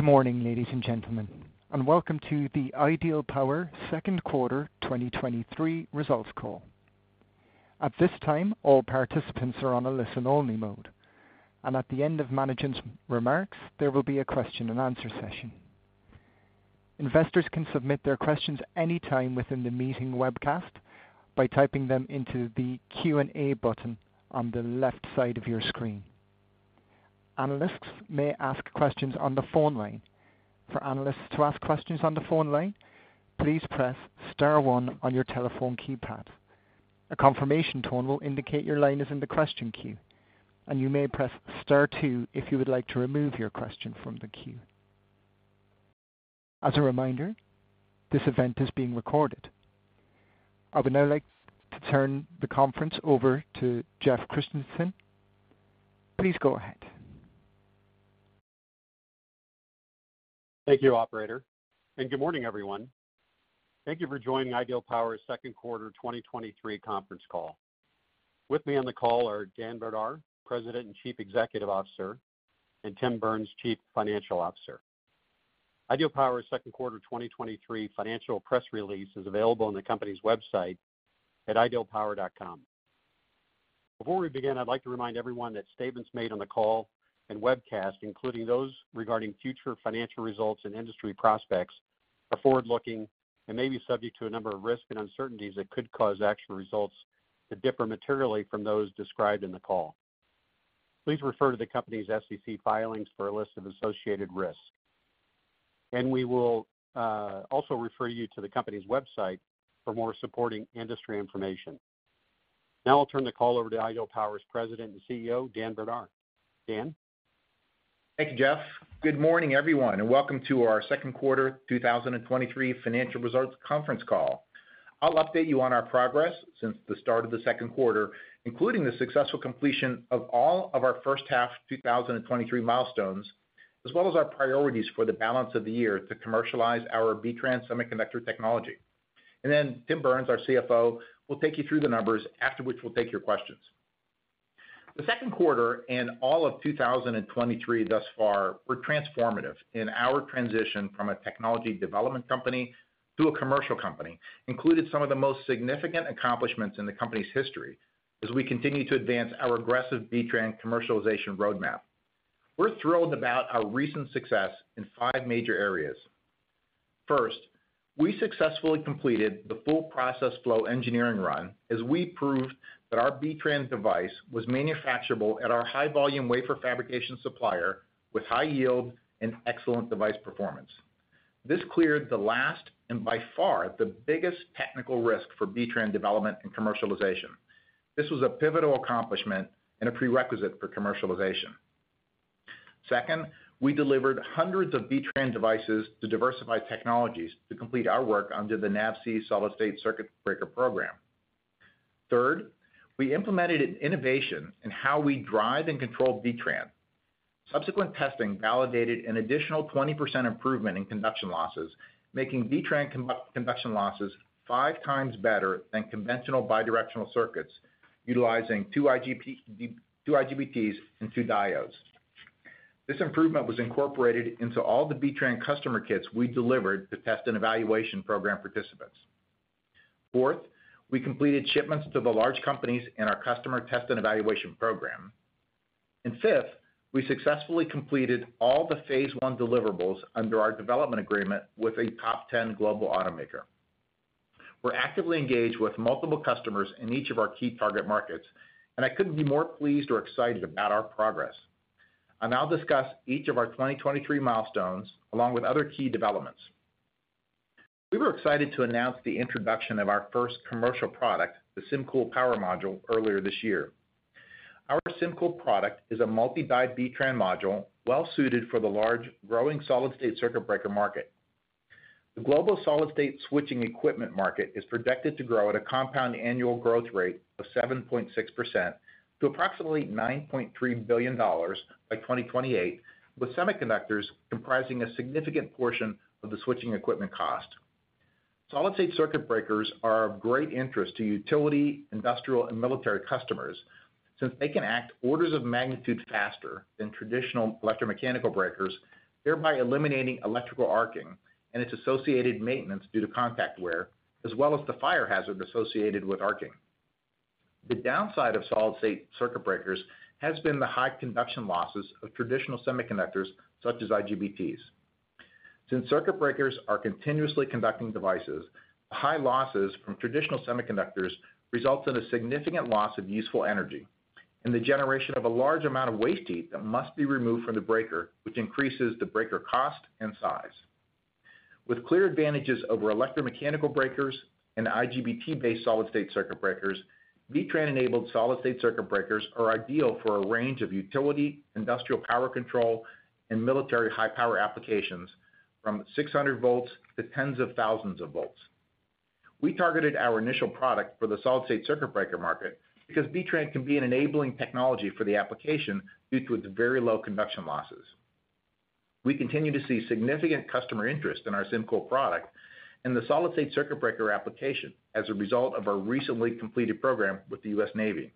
Good morning, ladies and gentlemen. Welcome to the Ideal Power Q2 2023 Results Call. At this time, all participants are on a listen-only mode. At the end of management's remarks, there will be a question-and-answer session. Investors can submit their questions anytime within the meeting webcast by typing them into the Q&A button on the left side of your screen. Analysts may ask questions on the phone line. For analysts to ask questions on the phone line, please press star one on your telephone keypad. A confirmation tone will indicate your line is in the question queue. You may press star two if you would like to remove your question from the queue. As a reminder, this event is being recorded. I would now like to turn the conference over to Jeff Christensen. Please go ahead. Thank you, operator, and good morning, everyone. Thank you for joining Ideal Power's Q2 2023 conference call. With me on the call are Dan Brdar, President and Chief Executive Officer, and Tim Burns, Chief Financial Officer. Ideal Power's Q2 2023 financial press release is available on the company's website at idealpower.com. Before we begin, I'd like to remind everyone that statements made on the call and webcast, including those regarding future financial results and industry prospects, are forward-looking and may be subject to a number of risks and uncertainties that could cause actual results to differ materially from those described in the call. Please refer to the company's SEC filings for a list of associated risks, and we will also refer you to the company's website for more supporting industry information. Now I'll turn the call over to Ideal Power's President and CEO, Dan Brdar. Dan? Thank you, Jeff. Good morning, everyone, and welcome to our Q2 2023 financial results conference call. I'll update you on our progress since the start of the Q2, including the successful completion of all of our first half 2023 milestones, as well as our priorities for the balance of the year to commercialize our B-TRAN semiconductor technology. Tim Burns, our CFO, will take you through the numbers, after which we'll take your questions. The Q2 and all of 2023 thus far were transformative in our transition from a technology development company to a commercial company, included some of the most significant accomplishments in the company's history as we continue to advance our aggressive B-TRAN commercialization roadmap. We're thrilled about our recent success in five major areas. First, we successfully completed the full process flow engineering run as we proved that our B-TRAN device was manufacturable at our high-volume wafer fabrication supplier with high yield and excellent device performance. This cleared the last and by far the biggest technical risk for B-TRAN development and commercialization. This was a pivotal accomplishment and a prerequisite for commercialization. Second, we delivered hundreds of B-TRAN devices to Diversified Technologies to complete our work under the NAVSEA solid-state circuit breaker program. Third, we implemented an innovation in how we drive and control B-TRAN. Subsequent testing validated an additional 20% improvement in conduction losses, making B-TRAN conduct, conduction losses five times better than conventional bidirectional circuits utilizing two IGBTs and two diodes. This improvement was incorporated into all the B-TRAN customer kits we delivered to test and evaluation program participants. Fourth, we completed shipments to the large companies in our customer test and evaluation program. Fifth, we successfully completed all the phase I deliverables under our development agreement with a top 10 global automaker. We're actively engaged with multiple customers in each of our key target markets, and I couldn't be more pleased or excited about our progress. I'll now discuss each of our 2023 milestones along with other key developments. We were excited to announce the introduction of our first commercial product, the SymCool Power Module, earlier this year. Our SymCool product is a multi-die B-TRAN module, well suited for the large, growing solid-state circuit breaker market. The global solid-state switching equipment market is projected to grow at a compound annual growth rate of 7.6% to approximately $9.3 billion by 2028, with semiconductors comprising a significant portion of the switching equipment cost. Solid-state circuit breakers are of great interest to utility, industrial, and military customers since they can act orders of magnitude faster than traditional electromechanical breakers, thereby eliminating electrical arcing and its associated maintenance due to contact wear, as well as the fire hazard associated with arcing. The downside of solid-state circuit breakers has been the high conduction losses of traditional semiconductors, such as IGBTs. Since circuit breakers are continuously conducting devices, high losses from traditional semiconductors result in a significant loss of useful energy and the generation of a large amount of waste heat that must be removed from the breaker, which increases the breaker cost and size. With clear advantages over electromechanical breakers and IGBT-based solid-state circuit breakers, B-TRAN-enabled solid-state circuit Breakers are ideal for a range of utility, industrial power control, and military high-power applications from 600 volts to tens of thousands of volts. We targeted our initial product for the solid-state circuit breaker market because B-TRAN can be an enabling technology for the application due to its very low conduction losses. We continue to see significant customer interest in our SymCool product and the solid-state circuit breaker application as a result of our recently completed program with the U.S. Navy.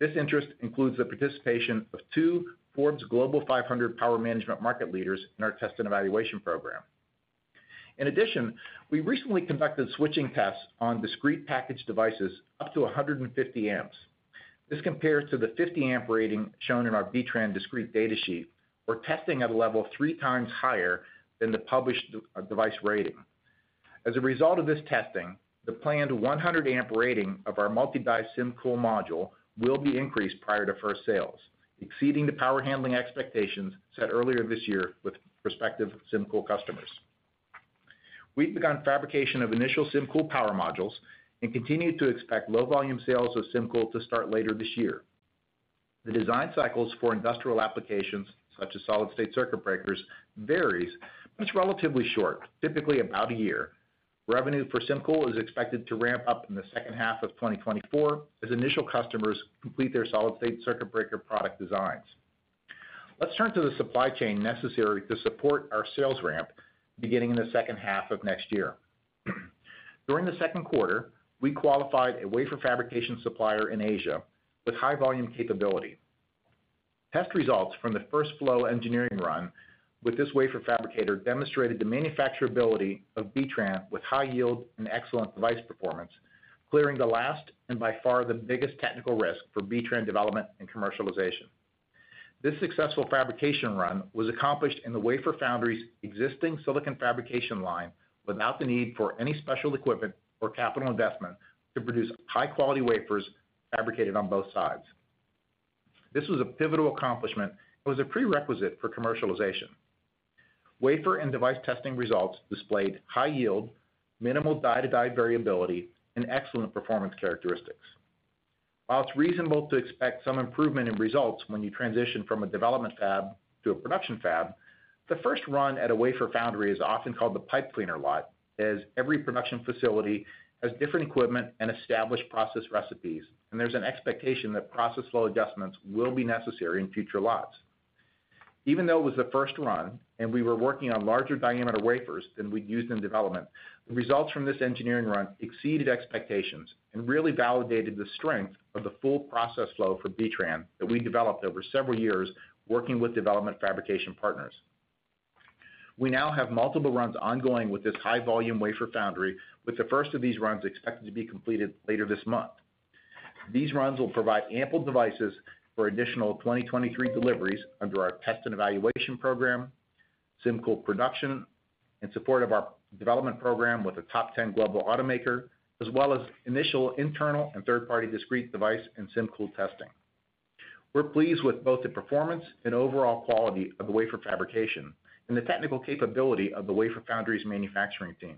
This interest includes the participation of two Forbes Global 500 power management market leaders in our test and evaluation program. In addition, we recently conducted switching tests on discrete package devices up to 150 amps. This compares to the 50 amp rating shown in our B-TRAN discrete data sheet. We're testing at a level three times higher than the published device rating. As a result of this testing, the planned 100 amp rating of our multi-die SymCool module will be increased prior to first sales, exceeding the power handling expectations set earlier this year with prospective SymCool customers. We've begun fabrication of initial SymCool Power Modules and continue to expect low volume sales of SymCool to start later this year. The design cycles for industrial applications, such as solid-state circuit breakers, varies, but it's relatively short, typically about one year. Revenue for SymCool is expected to ramp up in the second half of 2024, as initial customers complete their solid-state circuit breaker product designs. Let's turn to the supply chain necessary to support our sales ramp, beginning in the second half of next year. During the Q2, we qualified a wafer fabrication supplier in Asia with high volume capability. Test results from the first flow engineering run with this wafer fabricator demonstrated the manufacturability of B-TRAN with high yield and excellent device performance, clearing the last and by far the biggest technical risk for B-TRAN development and commercialization. This successful fabrication run was accomplished in the wafer foundry's existing silicon fabrication line, without the need for any special equipment or capital investment, to produce high-quality wafers fabricated on both sides. This was a pivotal accomplishment and was a prerequisite for commercialization. Wafer and device testing results displayed high yield, minimal die-to-die variability, and excellent performance characteristics. While it's reasonable to expect some improvement in results when you transition from a development fab to a production fab, the first run at a wafer foundry is often called the pipe cleaner lot, as every production facility has different equipment and established process recipes, and there's an expectation that process flow adjustments will be necessary in future lots. Even though it was the first run and we were working on larger diameter wafers than we'd used in development, the results from this engineering run exceeded expectations and really validated the strength of the full process flow for B-TRAN that we developed over several years working with development fabrication partners. We now have multiple runs ongoing with this high-volume wafer foundry, with the first of these runs expected to be completed later this month. These runs will provide ample devices for additional 2023 deliveries under our test and evaluation program, SymCool production, in support of our development program with a top 10 global automaker, as well as initial internal and third-party discrete device and SymCool testing. We're pleased with both the performance and overall quality of the wafer fabrication and the technical capability of the wafer foundry's manufacturing team.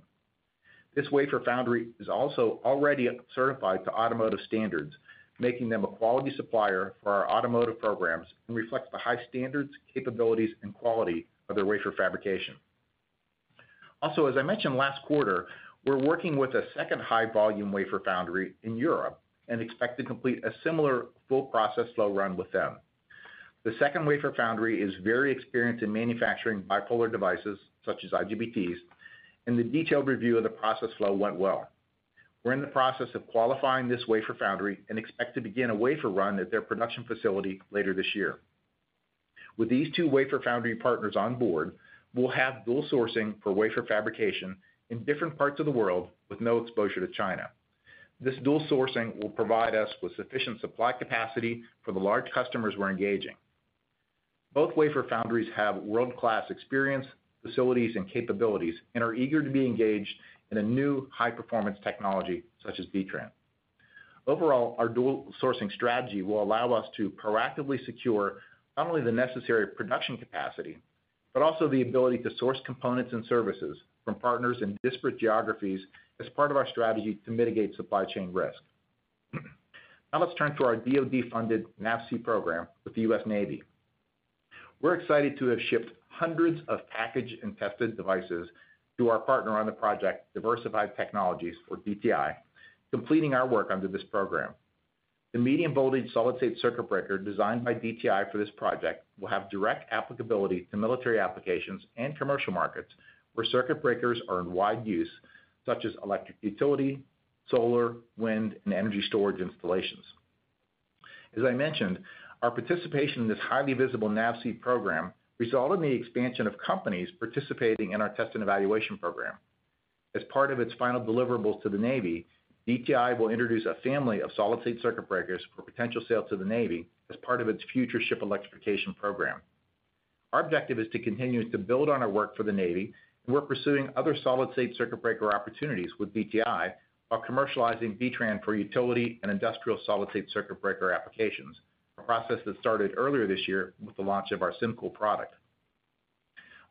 This wafer foundry is also already certified to automotive standards, making them a quality supplier for our automotive programs and reflects the high standards, capabilities, and quality of their wafer fabrication. As I mentioned last quarter, we're working with a second high-volume wafer foundry in Europe and expect to complete a similar full process flow run with them. The second wafer foundry is very experienced in manufacturing bipolar devices, such as IGBTs, and the detailed review of the process flow went well. We're in the process of qualifying this wafer foundry and expect to begin a wafer run at their production facility later this year. With these two wafer foundry partners on board, we'll have dual sourcing for wafer fabrication in different parts of the world with no exposure to China. This dual sourcing will provide us with sufficient supply capacity for the large customers we're engaging. Both wafer foundries have world-class experience, facilities, and capabilities and are eager to be engaged in a new high-performance technology, such as B-TRAN. Overall, our dual sourcing strategy will allow us to proactively secure not only the necessary production capacity, but also the ability to source components and services from partners in disparate geographies as part of our strategy to mitigate supply chain risk. Let's turn to our DoD-funded NAVSEA program with the U.S. Navy. We're excited to have shipped hundreds of packaged and tested devices to our partner on the project, Diversified Technologies, or DTI, completing our work under this program. The medium-voltage solid-state circuit breaker, designed by DTI for this project, will have direct applicability to military applications and commercial markets where circuit breakers are in wide use, such as electric utility, solar, wind, and energy storage installations. As I mentioned, our participation in this highly visible NAVSEA program resulted in the expansion of companies participating in our test and evaluation program. As part of its final deliverables to the Navy, DTI will introduce a family of solid-state circuit breakers for potential sale to the Navy as part of its future ship electrification program. Our objective is to continue to build on our work for the Navy. We're pursuing other solid-state circuit breaker opportunities with DTI while commercializing B-TRAN for utility and industrial solid-state circuit breaker applications, a process that started earlier this year with the launch of our SymCool product.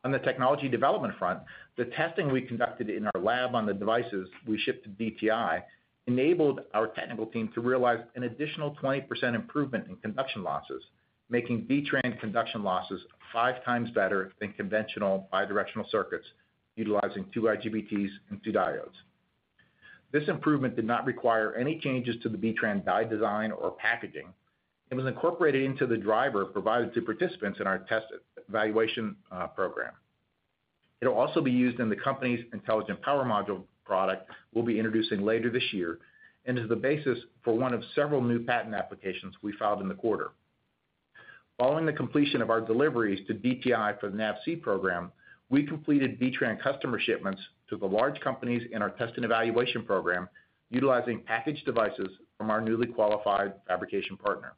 On the technology development front, the testing we conducted in our lab on the devices we shipped to DTI enabled our technical team to realize an additional 20% improvement in conduction losses, making B-TRAN conduction losses five times better than conventional bidirectional circuits utilizing 2 IGBTs and 2 diodes. This improvement did not require any changes to the B-TRAN die design or packaging. It was incorporated into the driver provided to participants in our test evaluation program. It'll also be used in the company's Intelligent Power Module product we'll be introducing later this year, and is the basis for one of several new patent applications we filed in the quarter. Following the completion of our deliveries to DTI for the NAVSEA program, we completed B-TRAN customer shipments to the large companies in our test and evaluation program, utilizing packaged devices from our newly qualified fabrication partner.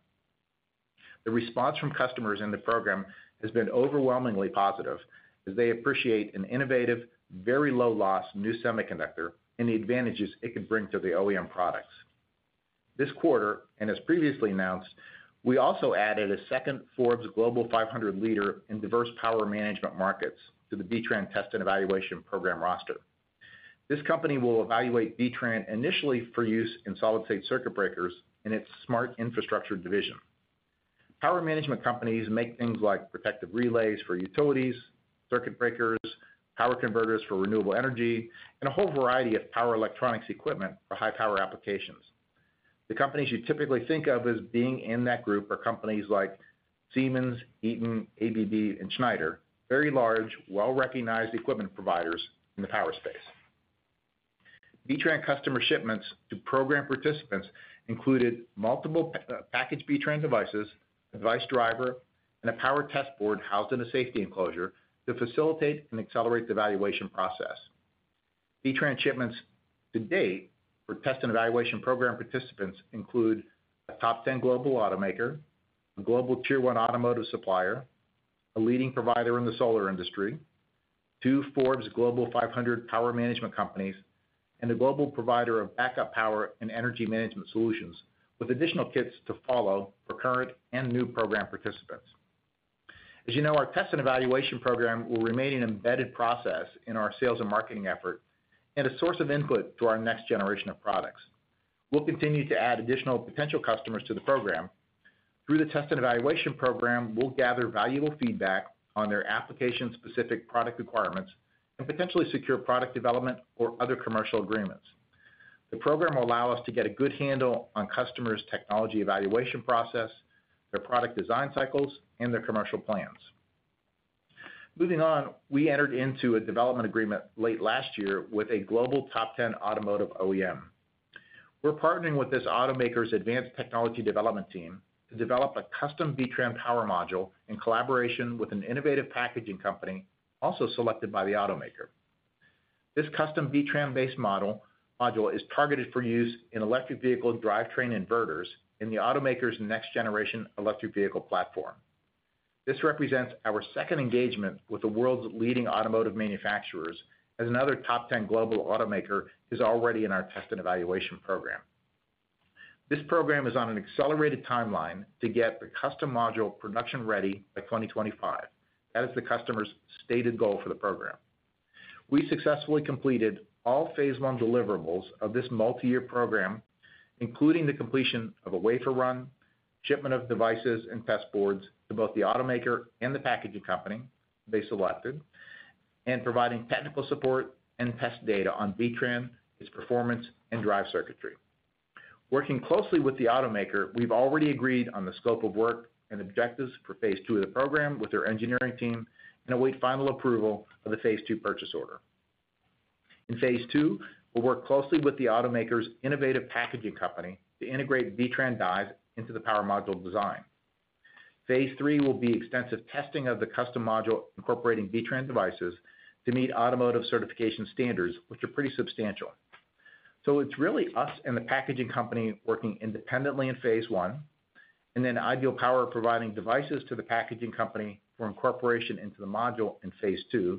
The response from customers in the program has been overwhelmingly positive, as they appreciate an innovative, very low-loss, new semiconductor, and the advantages it could bring to the OEM products. This quarter, and as previously announced, we also added a second Forbes Global 500 leader in diverse power management markets to the B-TRAN test and evaluation program roster. This company will evaluate B-TRAN initially for use in solid-state circuit breakers in its Smart Infrastructure division. Power management companies make things like protective relays for utilities, circuit breakers, power converters for renewable energy, and a whole variety of power electronics equipment for high-power applications. The companies you typically think of as being in that group are companies like Siemens, Eaton, ABB, and Schneider, very large, well-recognized equipment providers in the power space. B-TRAN customer shipments to program participants included multiple packaged B-TRAN devices, device driver, and a power test board housed in a safety enclosure to facilitate and accelerate the evaluation process. B-TRAN shipments to date for test and evaluation program participants include a top 10 global automaker, a global tier one automotive supplier, a leading provider in the solar industry, two Forbes Global 500 power management companies, and a global provider of backup power and energy management solutions, with additional kits to follow for current and new program participants. As you know, our T&E program will remain an embedded process in our sales and marketing effort and a source of input to our next generation of products. We'll continue to add additional potential customers to the program. Through the T&E program, we'll gather valuable feedback on their application-specific product requirements and potentially secure product development or other commercial agreements. The program will allow us to get a good handle on customers' technology evaluation process, their product design cycles, and their commercial plans. Moving on, we entered into a development agreement late last year with a global top 10 automotive OEM. We're partnering with this automaker's advanced technology development team to develop a custom B-TRAN power module in collaboration with an innovative packaging company, also selected by the automaker. This custom B-TRAN-based model module is targeted for use in electric vehicle drivetrain inverters in the automaker's next-generation electric vehicle platform. This represents our second engagement with the world's leading automotive manufacturers, as another top 10 global automaker is already in our test and evaluation program. This program is on an accelerated timeline to get the custom module production ready by 2025. That is the customer's stated goal for the program. We successfully completed all phase I deliverables of this multiyear program, including the completion of a wafer run, shipment of devices and test boards to both the automaker and the packaging company they selected, and providing technical support and test data on B-TRAN, its performance, and drive circuitry. Working closely with the automaker, we've already agreed on the scope of work and objectives for phase II of the program with their engineering team and await final approval of the phase II purchase order. In phase II, we'll work closely with the automaker's innovative packaging company to integrate B-TRAN dies into the power module design. Phase III will be extensive testing of the custom module, incorporating B-TRAN devices to meet automotive certification standards, which are pretty substantial. It's really us and the packaging company working independently in phase I, and then Ideal Power providing devices to the packaging company for incorporation into the module in phase II,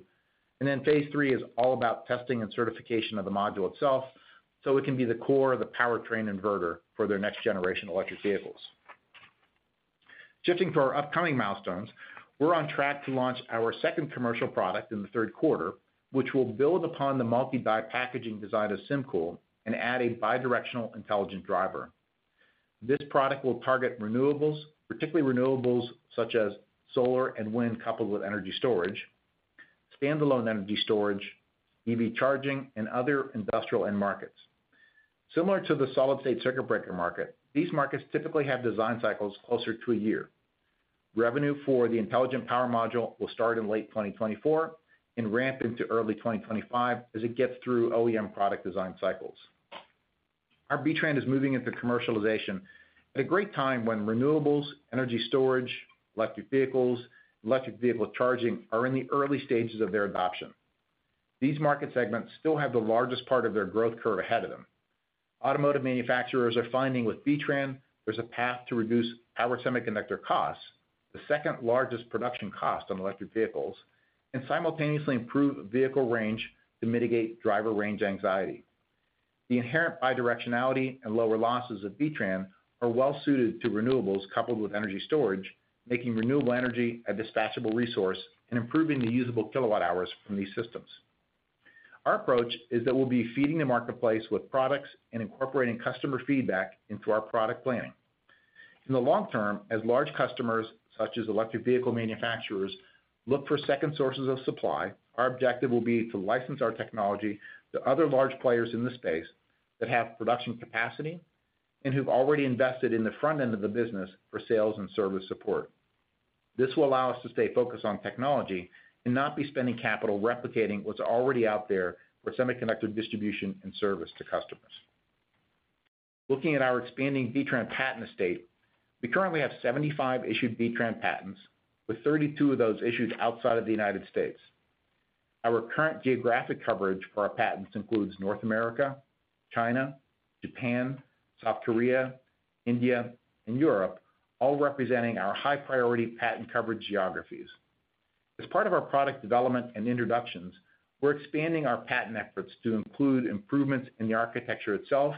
and then phase III is all about testing and certification of the module itself, so it can be the core of the powertrain inverter for their next-generation electric vehicles. Shifting to our upcoming milestones, we're on track to launch our second commercial product in the Q3, which will build upon the multi-die packaging design of SymCool and add a bidirectional intelligent driver. This product will target renewables, particularly renewables such as solar and wind, coupled with energy storage, standalone energy storage, EV charging, and other industrial end markets. Similar to the solid-state circuit breaker market, these markets typically have design cycles closer to a year. Revenue for the Intelligent Power Module will start in late 2024 and ramp into early 2025 as it gets through OEM product design cycles. Our B-TRAN is moving into commercialization at a great time when renewables, energy storage, electric vehicles, electric vehicle charging, are in the early stages of their adoption. These market segments still have the largest part of their growth curve ahead of them. Automotive manufacturers are finding with B-TRAN, there's a path to reduce power semiconductor costs, the second-largest production cost on electric vehicles, and simultaneously improve vehicle range to mitigate driver range anxiety. The inherent bidirectionality and lower losses of B-TRAN are well suited to renewables coupled with energy storage, making renewable energy a dispatchable resource and improving the usable kilowatt hours from these systems. Our approach is that we'll be feeding the marketplace with products and incorporating customer feedback into our product planning. In the long term, as large customers, such as electric vehicle manufacturers, look for second sources of supply, our objective will be to license our technology to other large players in the space that have production capacity, and who've already invested in the front end of the business for sales and service support. This will allow us to stay focused on technology and not be spending capital replicating what's already out there for semiconductor distribution and service to customers. Looking at our expanding B-TRAN patent estate, we currently have 75 issued B-TRAN patents, with 32 of those issued outside of the United States. Our current geographic coverage for our patents includes North America, China, Japan, South Korea, India, and Europe, all representing our high-priority patent coverage geographies. As part of our product development and introductions, we're expanding our patent efforts to include improvements in the architecture itself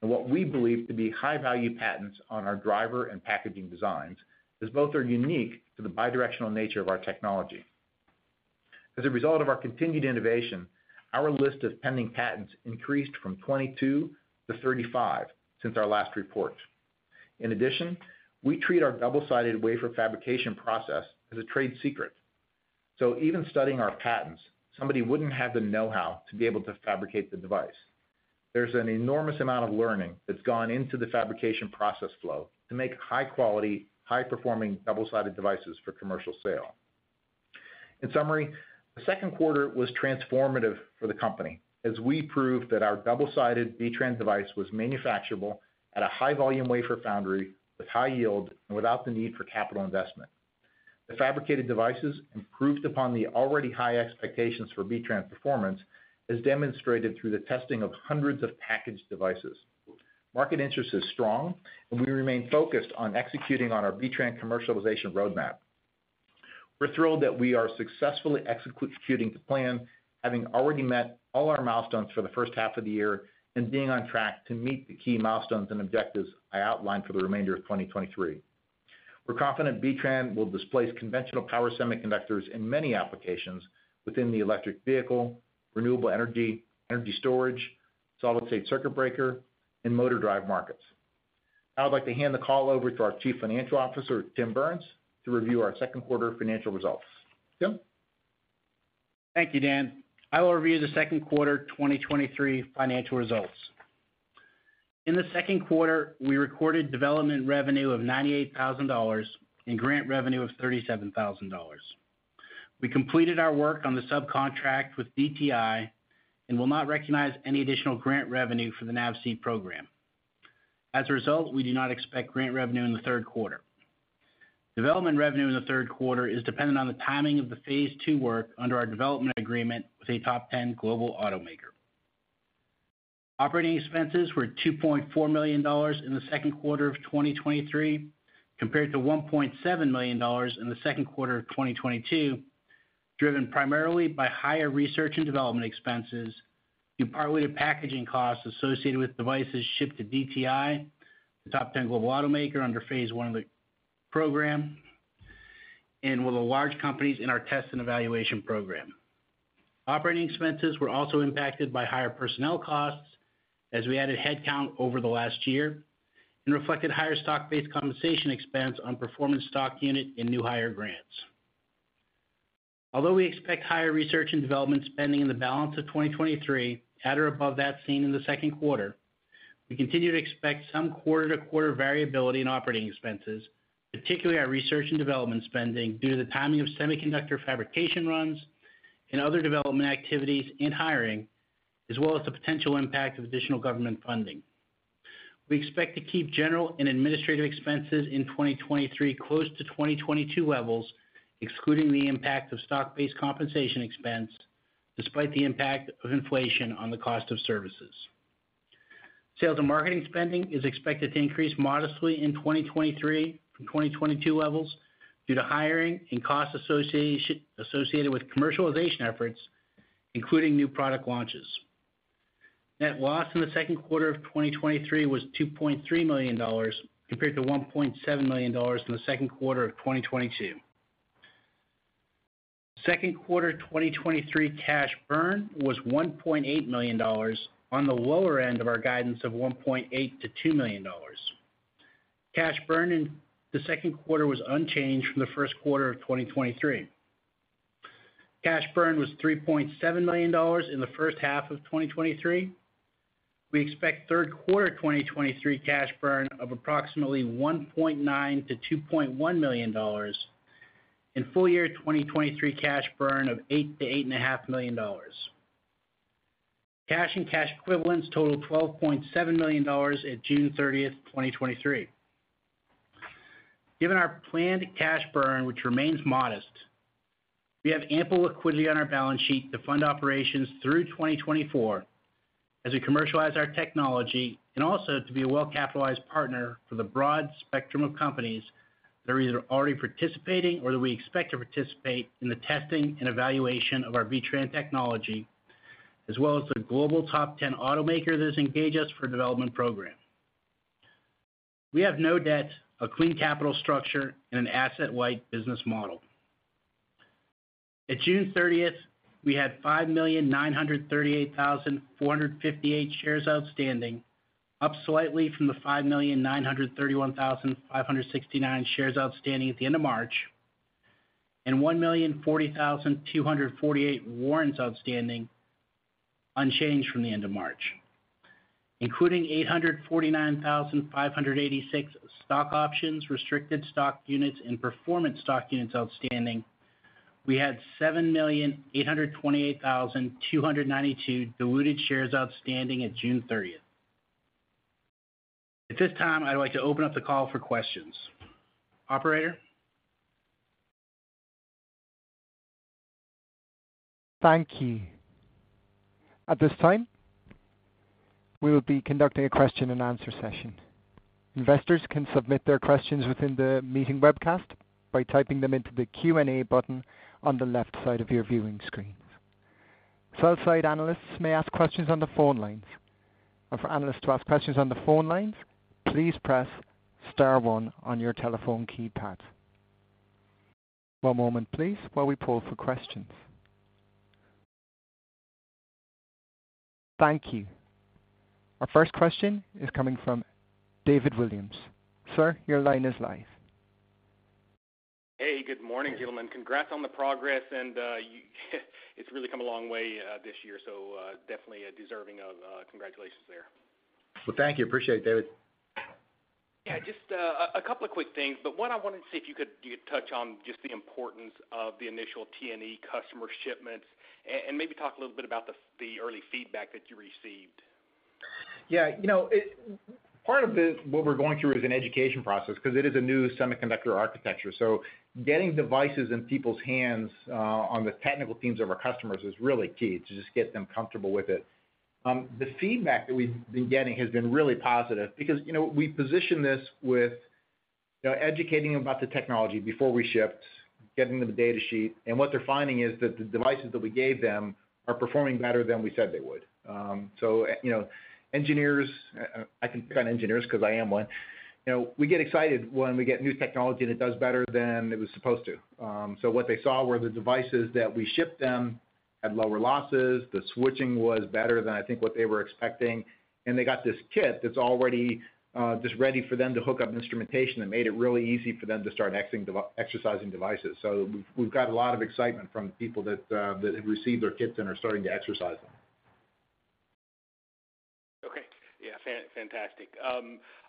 and what we believe to be high-value patents on our driver and packaging designs, as both are unique to the bidirectional nature of our technology. As a result of our continued innovation, our list of pending patents increased from 22 to 35 since our last report. In addition, we treat our double-sided wafer fabrication process as a trade secret, so even studying our patents, somebody wouldn't have the know-how to be able to fabricate the device. There's an enormous amount of learning that's gone into the fabrication process flow to make high-quality, high-performing double-sided devices for commercial sale. In summary, the Q2 was transformative for the company as we proved that our double-sided B-TRAN device was manufacturable at a high volume wafer foundry with high yield and without the need for capital investment. The fabricated devices improved upon the already high expectations for B-TRAN performance, as demonstrated through the testing of hundreds of packaged devices. Market interest is strong, and we remain focused on executing on our B-TRAN commercialization roadmap. We're thrilled that we are successfully executing to plan, having already met all our milestones for the first half of the year and being on track to meet the key milestones and objectives I outlined for the remainder of 2023. We're confident B-TRAN will displace conventional power semiconductors in many applications within the electric vehicle, renewable energy, energy storage, solid-state circuit breaker, and motor drive markets. I would like to hand the call over to our Chief Financial Officer, Tim Burns, to review our Q2 financial results. Tim? Thank you, Dan. I will review the Q2 2023 financial results. In the Q2, we recorded development revenue of $98,000 and grant revenue of $37,000. We completed our work on the subcontract with DTI and will not recognize any additional grant revenue for the NAVSEA program. As a result, we do not expect grant revenue in the Q2. Development revenue in the Q3 is dependent on the timing of the phase II work under our development agreement with a top 10 global automaker. Operating expenses were $2.4 million in the Q2 of 2023, compared to $1.7 million in the Q2 of 2022, driven primarily by higher R&D expenses and partly to packaging costs associated with devices shipped to DTI, the top 10 global automaker under phase I of the program, and with the large companies in our test and evaluation program. Operating expenses were also impacted by higher personnel costs as we added headcount over the last year, and reflected higher stock-based compensation expense on performance stock unit and new hire grants. Although we expect higher research and development spending in the balance of 2023, at or above that seen in the Q2, we continue to expect some quarter-to-quarter variability in operating expenses, particularly our research and development spending, due to the timing of semiconductor fabrication runs and other development activities and hiring, as well as the potential impact of additional government funding. We expect to keep general and administrative expenses in 2023 close to 2022 levels, excluding the impact of stock-based compensation expense, despite the impact of inflation on the cost of services. Sales and marketing spending is expected to increase modestly in 2023 from 2022 levels due to hiring and costs associated with commercialization efforts, including new product launches. Net loss in the Q2 of 2023 was $2.3 million, compared to $1.7 million in the Q2 of 2022. Q2 2023 cash burn was $1.8 million, on the lower end of our guidance of $1.8 million-$2 million. Cash burn in the Q2 was unchanged from the Q1 of 2023. Cash burn was $3.7 million in the first half of 2023. We expect Q3 2023 cash burn of approximately $1.9 million-$2.1 million, and full year 2023 cash burn of $8 million-$8.5 million. Cash and cash equivalents totaled $12.7 million at June 30th, 2023. Given our planned cash burn, which remains modest, we have ample liquidity on our balance sheet to fund operations through 2024 as we commercialize our technology and also to be a well-capitalized partner for the broad spectrum of companies that are either already participating or that we expect to participate in the testing and evaluation of our B-TRAN technology, as well as the global top 10 automaker that has engaged us for development program. We have no debt, a clean capital structure, and an asset-light business model. At June 30th, we had 5,938,458 shares outstanding, up slightly from the 5,931,569 shares outstanding at the end of March.... 1,040,248 warrants outstanding, unchanged from the end of March. Including 849,586 stock options, restricted stock units, and performance stock units outstanding, we had 7,828,292 diluted shares outstanding at June thirtieth. At this time, I'd like to open up the call for questions. Operator? Thank you. At this time, we will be conducting a question-and-answer session. Investors can submit their questions within the meeting webcast by typing them into the Q&A button on the left side of your viewing screen. Sell side analysts may ask questions on the phone lines. For analysts to ask questions on the phone lines, please press star one on your telephone keypad. One moment, please, while we pull for questions. Thank you. Our first question is coming from David Williams. Sir, your line is live. Hey, good morning, gentlemen. Congrats on the progress, and it's really come a long way this year, so definitely deserving of congratulations there. Well, thank you. Appreciate it, David. Yeah, just, a couple of quick things, 1, I wanted to see if you could, you could touch on just the importance of the initial T&E customer shipments and, and maybe talk a little bit about the, the early feedback that you received. Yeah, you know, it part of this, what we're going through, is an education process because it is a new semiconductor architecture. Getting devices in people's hands, on the technical teams of our customers is really key to just get them comfortable with it. The feedback that we've been getting has been really positive because, you know, we position this with, you know, educating about the technology before we ship, getting them the data sheet. What they're finding is that the devices that we gave them are performing better than we said they would. So, you know, engineers, I can pick on engineers because I am one, you know, we get excited when we get new technology, and it does better than it was supposed to. What they saw were the devices that we shipped them had lower losses, the switching was better than I think what they were expecting, and they got this kit that's already just ready for them to hook up instrumentation that made it really easy for them to start exercising devices. We've, we've got a lot of excitement from people that have received their kits and are starting to exercise them. Okay. Yeah, fantastic.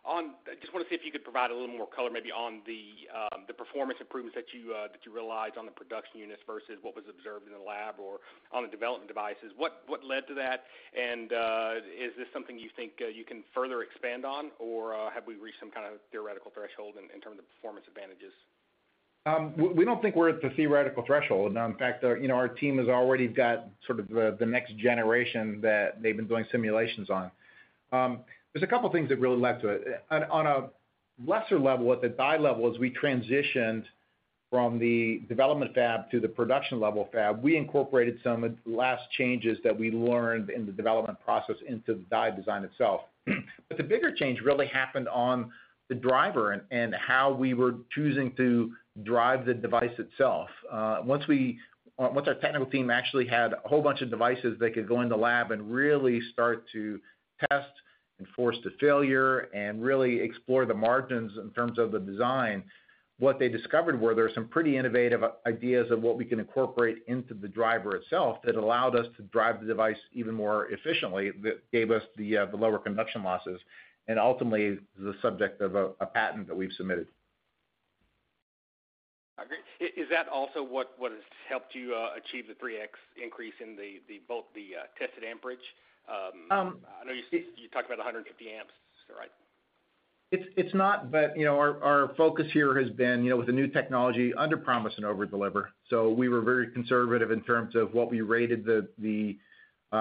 I just want to see if you could provide a little more color, maybe on the performance improvements that you that you realized on the production units versus what was observed in the lab or on the development devices. What, what led to that? Is this something you think you can further expand on, or have we reached some kind of theoretical threshold in, in terms of performance advantages? We, we don't think we're at the theoretical threshold. In fact, our, you know, our team has already got sort of the, the next generation that they've been doing simulations on. There's a couple of things that really led to it. On, on a lesser level, at the die level, as we transitioned from the development fab to the production level fab, we incorporated some of the last changes that we learned in the development process into the die design itself. The bigger change really happened on the driver and, and how we were choosing to drive the device itself. Once we, once our technical team actually had a whole bunch of devices, they could go in the lab and really start to test and force to failure and really explore the margins in terms of the design. What they discovered were there are some pretty innovative ideas of what we can incorporate into the driver itself that allowed us to drive the device even more efficiently, that gave us the lower conduction losses and ultimately, the subject of a patent that we've submitted. Agreed. Is, is that also what, what has helped you achieve the 3x increase in the, the both the tested amperage? I know you said- It's- You talked about 150 amps, is that right? It's, it's not, you know, our, our focus here has been, you know, with the new technology, underpromise and overdeliver. We were very conservative in terms of what we rated the, the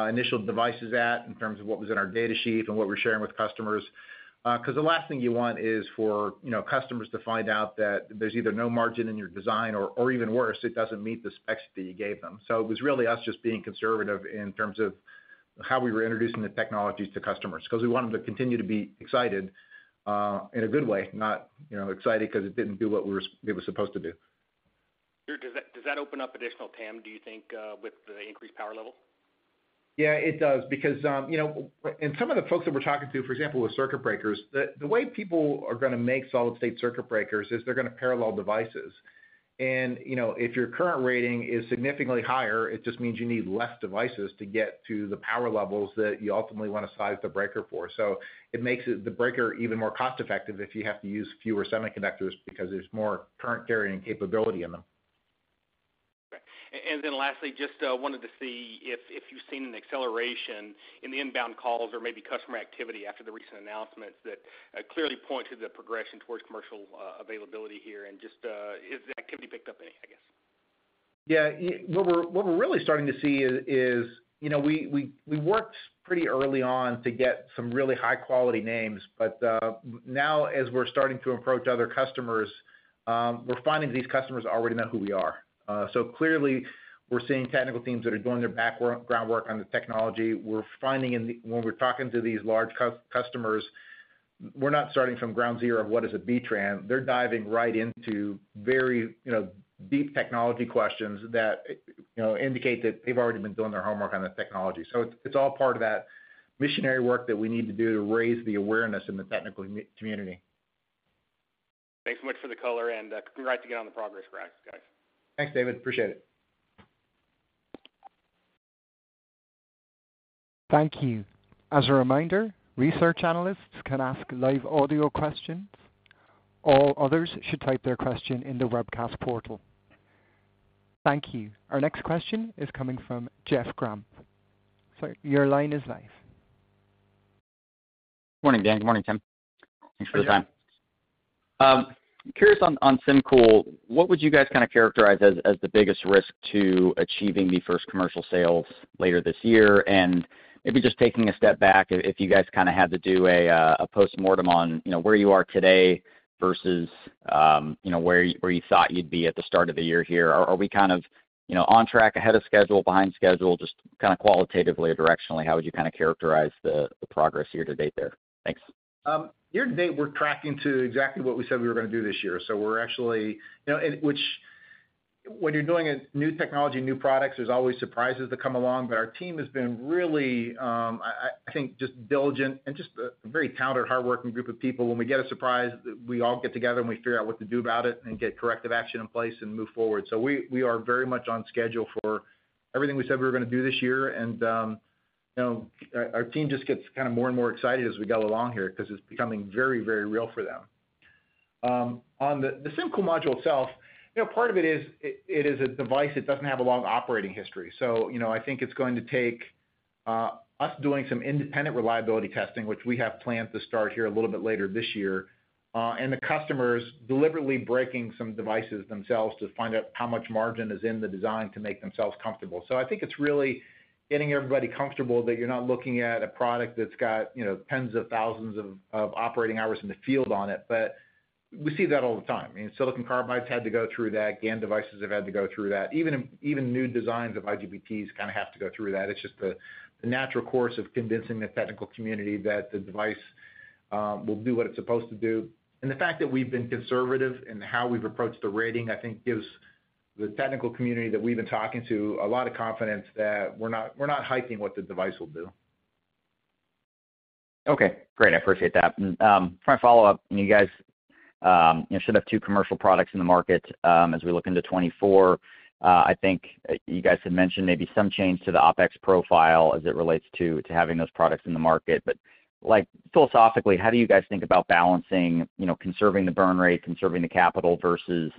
initial devices at, in terms of what was in our data sheet and what we're sharing with customers. The last thing you want is for, you know, customers to find out that there's either no margin in your design or, or even worse, it doesn't meet the specs that you gave them. It was really us just being conservative in terms of how we were introducing the technologies to customers, because we wanted them to continue to be excited, in a good way, not, you know, excited because it didn't do what it was supposed to do. Sure. Does that, does that open up additional TAM, do you think, with the increased power level? Yeah, it does because, you know, some of the folks that we're talking to, for example, with circuit breakers, the, the way people are gonna make solid-state circuit breakers is they're gonna parallel devices. You know, if your current rating is significantly higher, it just means you need less devices to get to the power levels that you ultimately want to size the breaker for. It makes it, the breaker, even more cost-effective if you have to use fewer semiconductors because there's more current carrying capability in them. Okay. Then lastly, just wanted to see if you've seen an acceleration in the inbound calls or maybe customer activity after the recent announcements that clearly point to the progression towards commercial availability here, and just, has the activity picked up any, I guess? Yeah, what we're, what we're really starting to see is, you know, we worked pretty early on to get some really high-quality names. Now, as we're starting to approach other customers, we're finding these customers already know who we are. Clearly, we're seeing technical teams that are doing their groundwork on the technology. We're finding when we're talking to these large customers, we're not starting from ground zero of what is a B-TRAN. They're diving right into very, you know, deep technology questions that, you know, indicate that they've already been doing their homework on the technology. It's, it's all part of that missionary work that we need to do to raise the awareness in the technical community. Thanks so much for the color and, congrats to get on the progress, guys. Thanks, David. Appreciate it. Thank you. As a reminder, research analysts can ask live audio questions. All others should type their question in the webcast portal. Thank you. Our next question is coming from Jeff Grampp. Sir, your line is live. Good morning, Dan. Good morning, Tim. Thanks for the time. Curious on, on SymCool, what would you guys kind of characterize as, as the biggest risk to achieving the first commercial sales later this year? Maybe just taking a step back, if, if you guys kind of had to do a postmortem on, you know, where you are today versus, you know, where, where you thought you'd be at the start of the year here. Are, are we kind of, you know, on track, ahead of schedule, behind schedule? Just kind of qualitatively or directionally, how would you kind of characterize the, the progress year-to-date there? Thanks. Year-to-date, we're tracking to exactly what we said we were gonna do this year. We're actually- You know, and which, when you're doing a new technology, new products, there's always surprises that come along. Our team has been really, I, I think, just diligent and just a very talented, hardworking group of group of people. When we get a surprise, we all get together, and we figure out what to do about it and get corrective action in place and move forward. We, we are very much on schedule for everything we said we were gonna do this year. You know, our, our team just gets kind of more and more excited as we go along here because it's becoming very, very real for them. On the, the SymCool module itself, you know, part of it is, it, it is a device that doesn't have a long operating history. You know, I think it's going to take us doing some independent reliability testing, which we have planned to start here a little bit later this year. The customers deliberately breaking some devices themselves to find out how much margin is in the design to make themselves comfortable. I think it's really getting everybody comfortable that you're not looking at a product that's got, you know, tens of thousands of, of operating hours in the field on it. We see that all the time. I mean, silicon carbide's had to go through that, GaN devices have had to go through that. Even, even new designs of IGBTs kind of have to go through that. It's just the, the natural course of convincing the technical community that the device, will do what it's supposed to do. The fact that we've been conservative in how we've approached the rating, I think gives the technical community that we've been talking to a lot of confidence that we're not, we're not hyping what the device will do. Okay, great. I appreciate that. For my follow-up, you guys, you know, should have two commercial products in the market, as we look into 2024. I think you guys had mentioned maybe some change to the OpEx profile as it relates to, to having those products in the market. Like, philosophically, how do you guys think about balancing, you know, conserving the burn rate, conserving the capital, versus,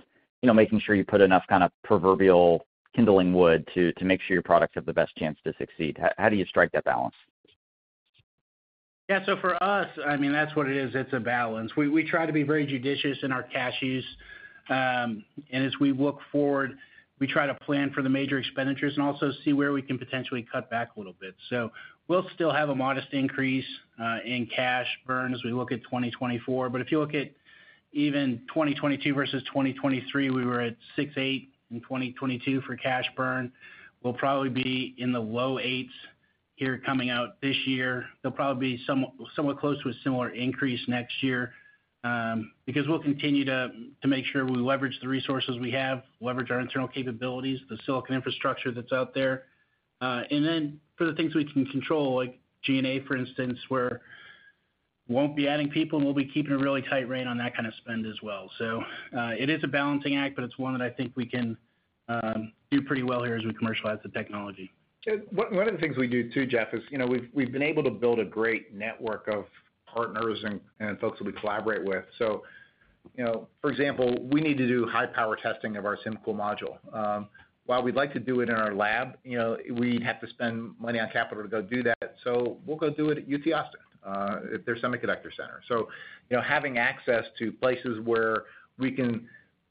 you know, making sure you put enough kind of proverbial kindling wood to, to make sure your products have the best chance to succeed? How, how do you strike that balance? For us, I mean, that's what it is: it's a balance. We, we try to be very judicious in our cash use. As we look forward, we try to plan for the major expenditures and also see where we can potentially cut back a little bit. We'll still have a modest increase in cash burn as we look at 2024. If you look at even 2022 versus 2023, we were at $6.8 in 2022 for cash burn. We'll probably be in the low $8s here coming out this year. There'll probably be somewhat close to a similar increase next year because we'll continue to, to make sure we leverage the resources we have, leverage our internal capabilities, the silicon infrastructure that's out there. Then for the things we can control, like G&A, for instance, where won't be adding people, and we'll be keeping a really tight rein on that kind of spend as well. It is a balancing act, but it's one that I think we can do pretty well here as we commercialize the technology. One, one of the things we do too, Jeff, is, you know, we've, we've been able to build a great network of partners and, and folks who we collaborate with. You know, for example, we need to do high power testing of our SymCool module. While we'd like to do it in our lab, you know, we'd have to spend money on capital to go do that, so we'll go do it at UT Austin at their semiconductor center. You know, having access to places where we can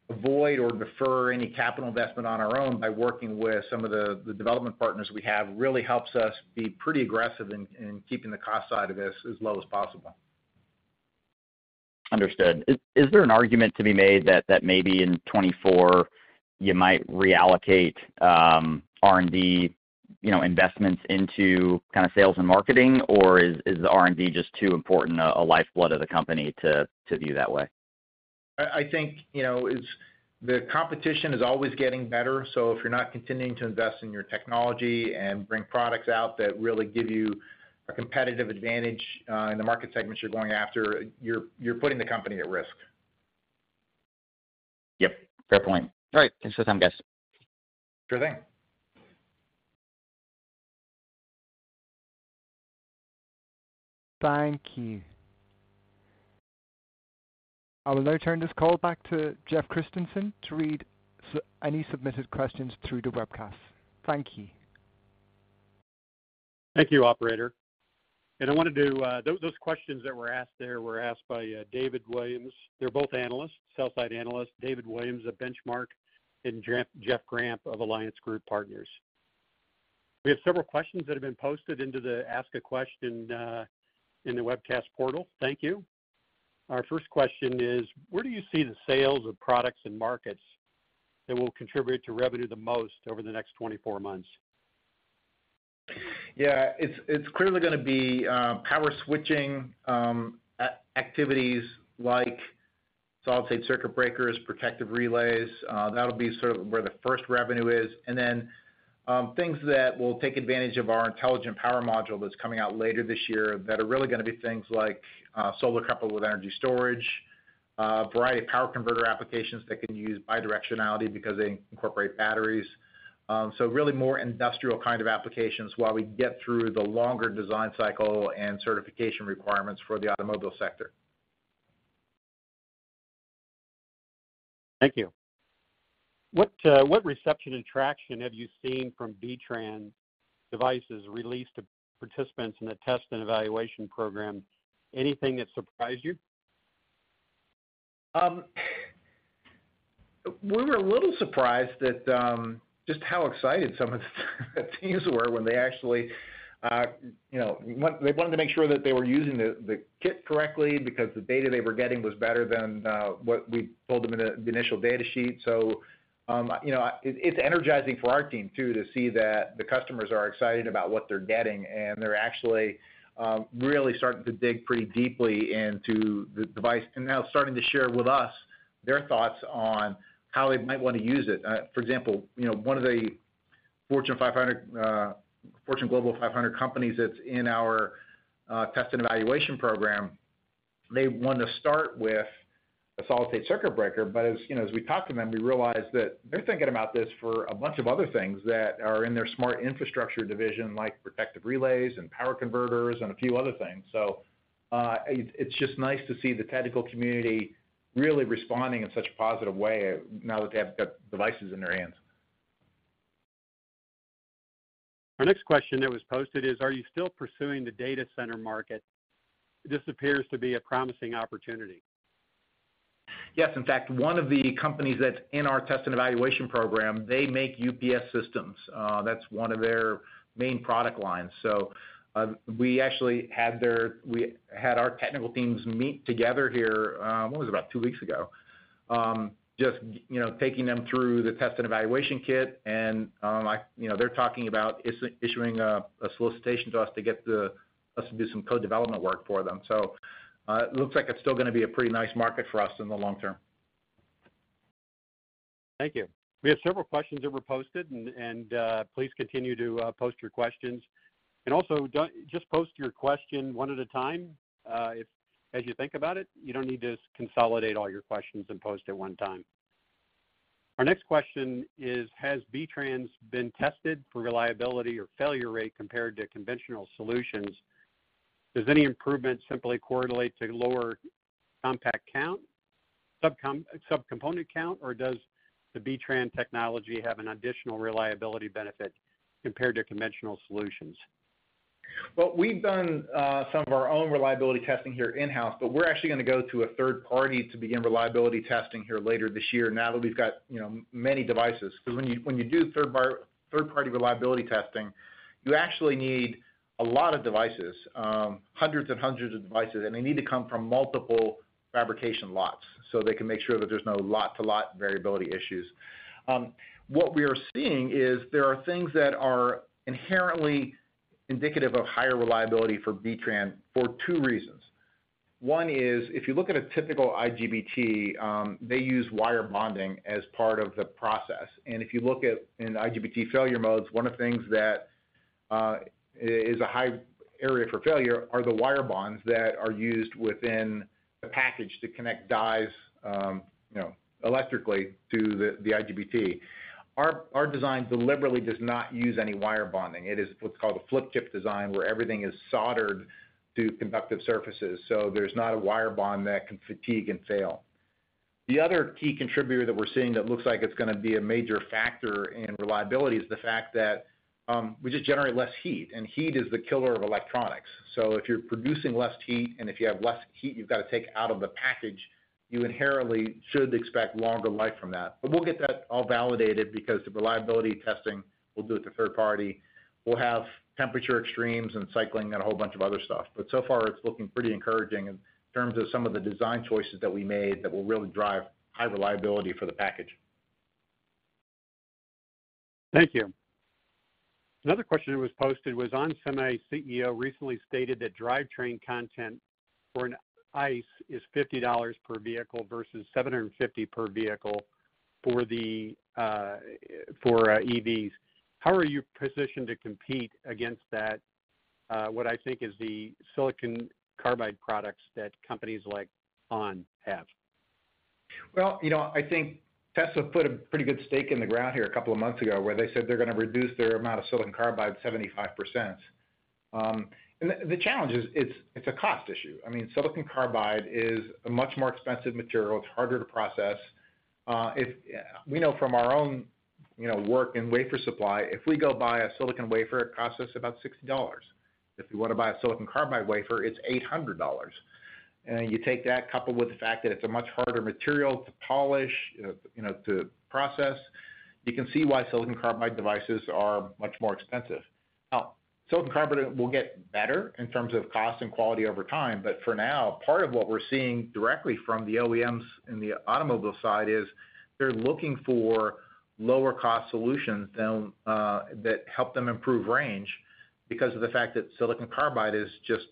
avoid or defer any capital investment on our own by working with some of the, the development partners we have, really helps us be pretty aggressive in, in keeping the cost side of this as low as possible. Understood. Is, is there an argument to be made that, that maybe in 2024 you might reallocate R&D, you know, investments into kind of sales and marketing, or is, is the R&D just too important a, a lifeblood of the company to, to view that way? I, I think, you know, it's the competition is always getting better, so if you're not continuing to invest in your technology and bring products out that really give you a competitive advantage in the market segments you're going after, you're, you're putting the company at risk. Yep, fair point. All right. Thanks for the time, guys. Sure thing. Thank you. I will now turn this call back to Jeff Christensen to read any submitted questions through the webcast. Thank you. I wanted to, those, those questions that were asked there were asked by, David Williams. They're both analysts, sell-side analysts, David Williams of Benchmark and Jeff Grampp of Alliance Global Partners. We have several questions that have been posted into the ask a question, in the webcast portal. Thank you. Our first question is: where do you see the sales of products and markets that will contribute to revenue the most over the next 24 months? Yeah, it's, it's clearly gonna be, power switching, activities like solid-state circuit breakers, protective relays. That'll be sort of where the first revenue is. Then, things that will take advantage of our Intelligent Power Module that's coming out later this year, that are really gonna be things like, solar coupled with energy storage, a variety of power converter applications that can use bidirectionality because they incorporate batteries. Really more industrial kind of applications while we get through the longer design cycle and certification requirements for the automobile sector. Thank you. What, what reception and traction have you seen from B-TRAN devices released to participants in the test and evaluation program? Anything that surprised you? We were a little surprised at just how excited some of the teams were when they actually, you know, they wanted to make sure that they were using the kit correctly because the data they were getting was better than what we told them in the initial data sheet. You know, it, it's energizing for our team, too, to see that the customers are excited about what they're getting, and they're actually really starting to dig pretty deeply into the device and now starting to share with us their thoughts on how they might want to use it. For example, you know, one of the Fortune Global 500 companies that's in our test and evaluation program, they want to start with a solid-state circuit breaker. As, you know, as we talked to them, we realized that they're thinking about this for a bunch of other things that are in their Smart Infrastructure division, like protective relays and power converters and a few other things. It's, it's just nice to see the technical community really responding in such a positive way, now that they have the devices in their hands. Our next question that was posted is: Are you still pursuing the data center market? This appears to be a promising opportunity. Yes. In fact, one of the companies that's in our test and evaluation program, they make UPS systems. That's one of their main product lines. We actually had our technical teams meet together here, it was about two weeks ago, just, you know, taking them through the test and evaluation kit and, I, you know, they're talking about issuing a, a solicitation to us to get us to do some co-development work for them. It looks like it's still gonna be a pretty nice market for us in the long term. Thank you. We have several questions that were posted, and, and, please continue to, post your questions. Also, don't just post your question one at a time, if, as you think about it, you don't need to consolidate all your questions and post at one time. Our next question is: Has B-TRAN been tested for reliability or failure rate compared to conventional solutions? Does any improvement simply correlate to lower compact count, subcomponent count, or does the B-TRAN technology have an additional reliability benefit compared to conventional solutions? Well, we've done some of our own reliability testing here in-house, but we're actually gonna go to a third party to begin reliability testing here later this year now that we've got, you know, many devices. Because when you, when you do third-party reliability testing, you actually need a lot of devices, hundreds and hundreds of devices, and they need to come from multiple fabrication lots, so they can make sure that there's no lot-to-lot variability issues. What we are seeing is there are things that are inherently indicative of higher reliability for B-TRAN for two reasons. One is, if you look at a typical IGBT, they use wire bonding as part of the process. If you look at, in IGBT failure modes, one of the things that is a high area for failure are the wire bonds that are used within the package to connect dies, you know, electrically to the IGBT. Our design deliberately does not use any wire bonding. It is what's called a flip chip design, where everything is soldered to conductive surfaces, so there's not a wire bond that can fatigue and fail. The other key contributor that we're seeing that looks like it's gonna be a major factor in reliability, is the fact that we just generate less heat, and heat is the killer of electronics. If you're producing less heat and if you have less heat, you've got to take out of the package, you inherently should expect longer life from that. We'll get that all validated because the reliability testing, we'll do it to third party. We'll have temperature extremes and cycling and a whole bunch of other stuff. So far, it's looking pretty encouraging in terms of some of the design choices that we made that will really drive high reliability for the package. Thank you. Another question that was posted was, onsemi CEO recently stated that drivetrain content for an ICE is $50 per vehicle versus $750 per vehicle for the for EVs. How are you positioned to compete against that what I think is the silicon carbide products that companies like OEM have? Well, you know, I think Tesla put a pretty good stake in the ground here a couple of months ago, where they said they're gonna reduce their amount of silicon carbide 75%. The, the challenge is, it's, it's a cost issue. I mean, silicon carbide is a much more expensive material. It's harder to process. If we know from our own, you know, work in wafer supply, if we go buy a silicon wafer, it costs us about $60. If you want to buy a silicon carbide wafer, it's $800. You take that, coupled with the fact that it's a much harder material to polish, you know, to process, you can see why silicon carbide devices are much more expensive. Silicon carbide will get better in terms of cost and quality over time, but for now, part of what we're seeing directly from the OEMs in the automobile side is, they're looking for lower cost solutions than that help them improve range because of the fact that silicon carbide is just,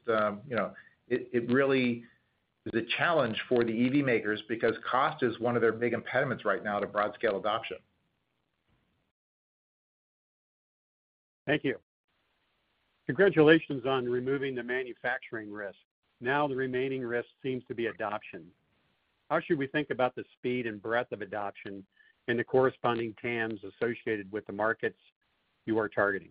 you know, it, it really is a challenge for the EV makers because cost is one of their big impediments right now to broad-scale adoption.... Thank you. Congratulations on removing the manufacturing risk. Now the remaining risk seems to be adoption. How should we think about the speed and breadth of adoption and the corresponding TAMs associated with the markets you are targeting?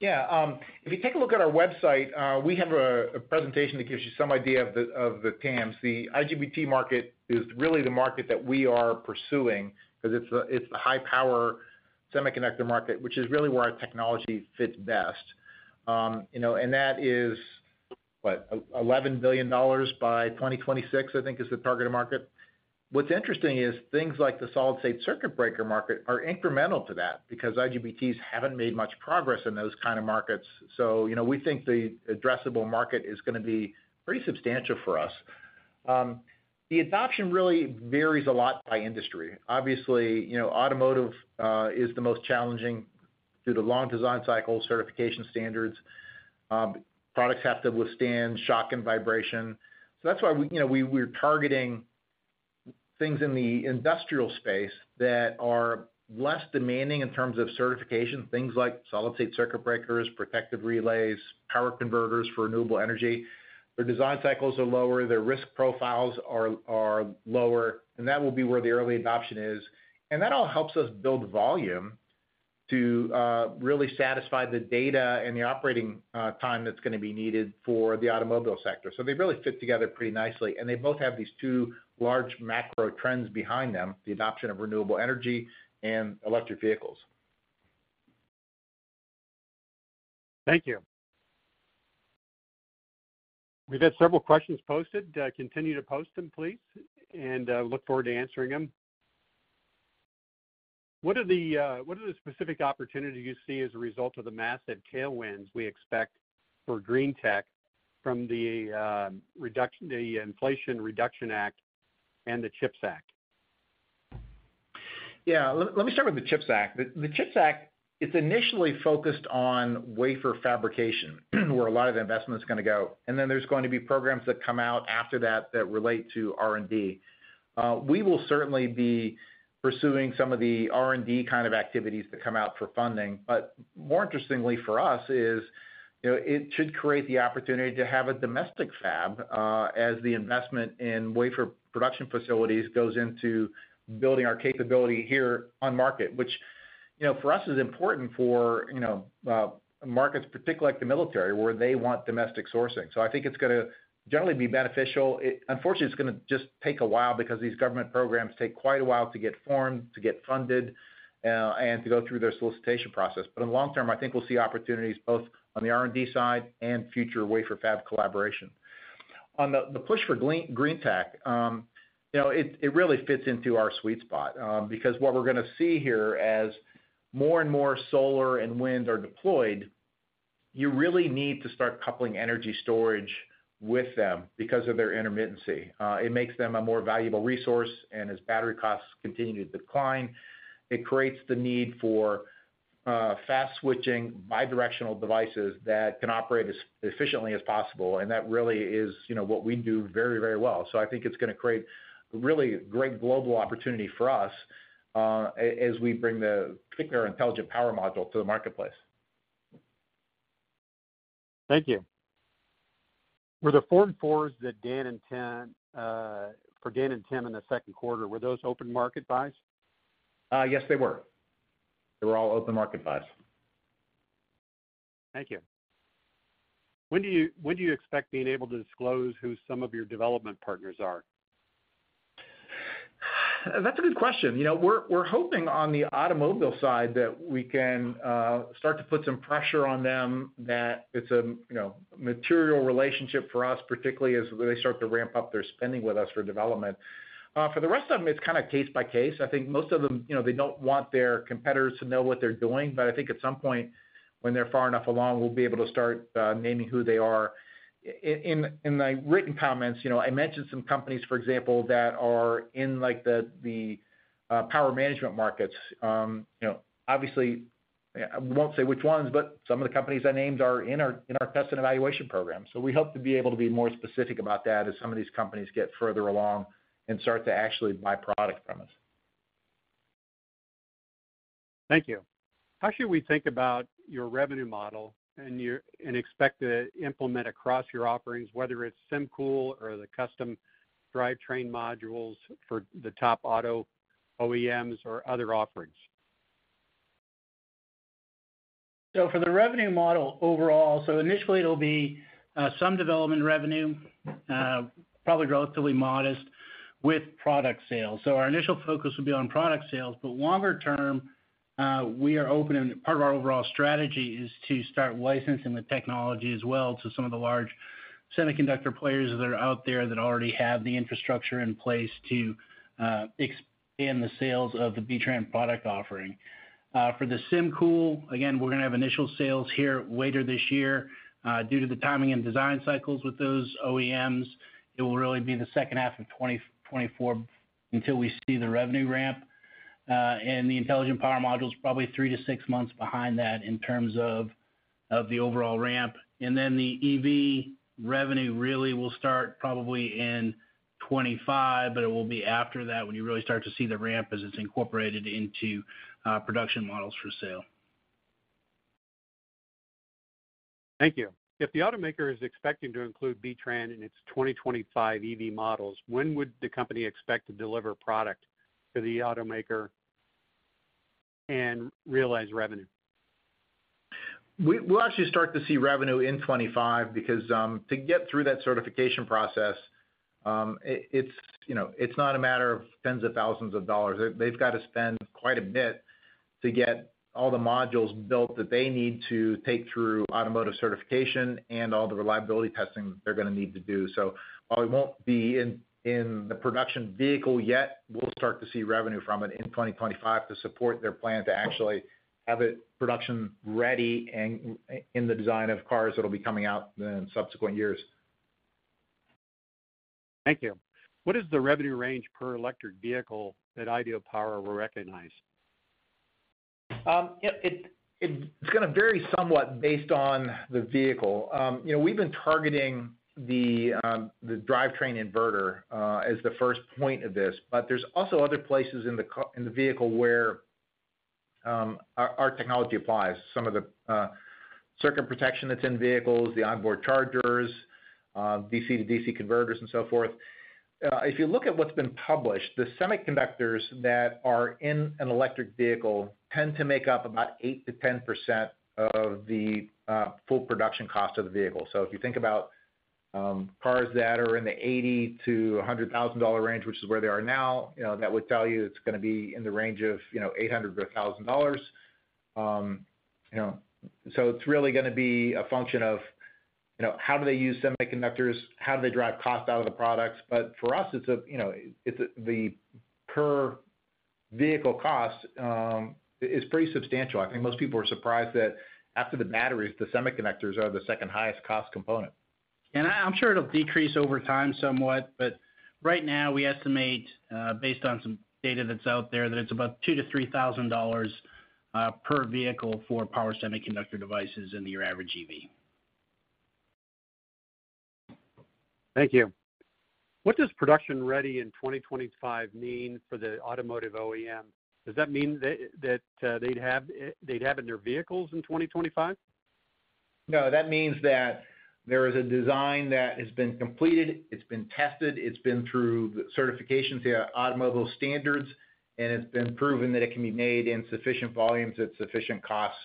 Yeah, if you take a look at our website, we have a presentation that gives you some idea of the TAMs. The IGBT market is really the market that we are pursuing, because it's a, it's the high power semiconductor market, which is really where our technology fits best. You know, and that is, what? $11 billion by 2026, I think, is the target market. What's interesting is things like the solid-state circuit breaker market are incremental to that, because IGBTs haven't made much progress in those kind of markets. You know, we think the addressable market is gonna be pretty substantial for us. The adoption really varies a lot by industry. Obviously, you know, automotive is the most challenging due to long design cycles, certification standards, products have to withstand shock and vibration. That's why we, you know, we, we're targeting things in the industrial space that are less demanding in terms of certification, things like solid-state circuit breakers, protective relays, power converters for renewable energy. Their design cycles are lower, their risk profiles are, are lower, and that will be where the early adoption is. That all helps us build volume to really satisfy the data and the operating time that's gonna be needed for the automobile sector. They really fit together pretty nicely, and they both have these two large macro trends behind them, the adoption of renewable energy and electric vehicles. Thank you. We've had several questions posted. Continue to post them, please, and look forward to answering them. What are the specific opportunities you see as a result of the massive tailwinds we expect for green tech from the Inflation Reduction Act and the CHIPS Act? Yeah, let, let me start with the CHIPS Act. The, the CHIPS Act, it's initially focused on wafer fabrication, where a lot of the investment's gonna go, and then there's going to be programs that come out after that that relate to R&D. We will certainly be pursuing some of the R&D kind of activities that come out for funding. More interestingly for us is, you know, it should create the opportunity to have a domestic fab, as the investment in wafer production facilities goes into building our capability here on market, which, you know, for us, is important for, you know, markets, particularly like the military, where they want domestic sourcing. I think it's gonna generally be beneficial. It unfortunately, it's gonna just take a while because these government programs take quite a while to get formed, to get funded, and to go through their solicitation process. In the long term, I think we'll see opportunities both on the R&D side and future wafer fab collaboration. On the, the push for green tech, you know, it, it really fits into our sweet spot, because what we're gonna see here as more and more solar and wind are deployed, you really need to start coupling energy storage with them because of their intermittency. It makes them a more valuable resource, and as battery costs continue to decline, it creates the need for fast-switching, bidirectional devices that can operate as efficiently as possible, and that really is, you know, what we do very, very well. I think it's gonna create a really great global opportunity for us, as we bring the, particularly our Intelligent Power Module to the marketplace. Thank you. Were the Form 4 that Dan and Tim, for Dan and Tim in the Q2, were those open market buys? Yes, they were. They were all open market buys. Thank you. When do you, when do you expect being able to disclose who some of your development partners are? That's a good question. You know, we're, we're hoping on the automobile side that we can start to put some pressure on them, that it's a, you know, material relationship for us, particularly as they start to ramp up their spending with us for development. For the rest of them, it's kind of case by case. I think most of them, you know, they don't want their competitors to know what they're doing, but I think at some point, when they're far enough along, we'll be able to start naming who they are. In, in, in my written comments, you know, I mentioned some companies, for example, that are in, like, the, the power management markets. You know, obviously, I won't say which ones, but some of the companies I named are in our, in our test and evaluation program. We hope to be able to be more specific about that as some of these companies get further along and start to actually buy product from us. Thank you. How should we think about your revenue model and expect to implement across your offerings, whether it's SymCool or the custom drivetrain modules for the top auto OEMs or other offerings? For the revenue model overall, initially it'll be some development revenue, probably relatively modest, with product sales. Our initial focus will be on product sales, but longer term, we are open, and part of our overall strategy is to start licensing the technology as well to some of the large semiconductor players that are out there that already have the infrastructure in place to expand the sales of the B-TRAN product offering. For the SymCool, again, we're gonna have initial sales here later this year. Due to the timing and design cycles with those OEMs, it will really be the second half of 2024 until we see the revenue ramp, and the Intelligent Power Modules probably three to six months behind that in terms of... of the overall ramp, and then the EV revenue really will start probably in 2025, but it will be after that when you really start to see the ramp as it's incorporated into production models for sale. Thank you. If the automaker is expecting to include B-TRANs in its 2025 EV models, when would the company expect to deliver product to the automaker and realize revenue? We'll actually start to see revenue in 2025, because, to get through that certification process, it, it's, you know, it's not a matter of tens of thousands of dollars. They, they've got to spend quite a bit to get all the modules built that they need to take through automotive certification and all the reliability testing that they're gonna need to do. While we won't be in, in the production vehicle yet, we'll start to see revenue from it in 2025 to support their plan to actually have it production-ready and in, in the design of cars that'll be coming out then in subsequent years. Thank you. What is the revenue range per electric vehicle that Ideal Power will recognize? It, it, it's gonna vary somewhat based on the vehicle. You know, we've been targeting the drivetrain inverter as the first point of this, but there's also other places in the vehicle where our, our technology applies. Some of the circuit protection that's in vehicles, the onboard chargers, DC-to-DC converters, and so forth. If you look at what's been published, the semiconductors that are in an electric vehicle tend to make up about 8%-10% of the full production cost of the vehicle. So if you think about cars that are in the $80,000-$100,000 range, which is where they are now, you know, that would tell you it's gonna be in the range of, you know, $800-$1,000. You know, it's really gonna be a function of, you know, how do they use semiconductors? How do they drive cost out of the products? For us, it's a, you know, it's the per vehicle cost is pretty substantial. I think most people are surprised that after the batteries, the semiconductors are the second highest cost component. I, I'm sure it'll decrease over time somewhat, but right now, we estimate, based on some data that's out there, that it's about $2,000-$3,000 per vehicle for power semiconductor devices in your average EV. Thank you. What does production ready in 2025 mean for the automotive OEM? Does that mean that, that, they'd have it, they'd have it in their vehicles in 2025? No, that means that there is a design that has been completed, it's been tested, it's been through the certifications, the automobile standards, and it's been proven that it can be made in sufficient volumes at sufficient costs,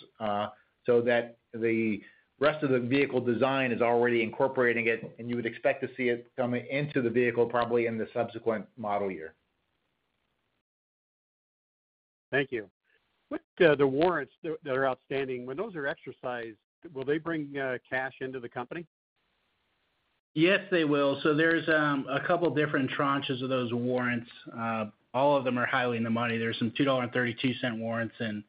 so that the rest of the vehicle design is already incorporating it, and you would expect to see it coming into the vehicle, probably in the subsequent model year. Thank you. With, the warrants that, that are outstanding, when those are exercised, will they bring, cash into the company? Yes, they will. There's a couple different tranches of those warrants. All of them are highly in the money. There's some $2.32 warrants, and